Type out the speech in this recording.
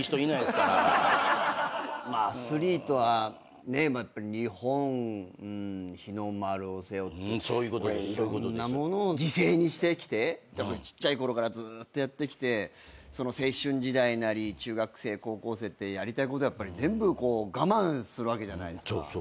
アスリートは日本日の丸を背負っていろんなものを犠牲にしてきてちっちゃいころからずーっとやってきてその青春時代なり中学生高校生ってやりたいことやっぱり全部我慢するわけじゃないですか。